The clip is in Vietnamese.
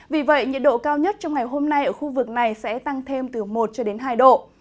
vì vậy nhiệt độ cao nhất trong ngày hôm nay ở khu vực này sẽ tăng thêm từ một cho đến hai độ